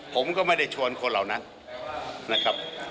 ผมก็ไม่ได้ชวนคนเหล่านั้นนะครับ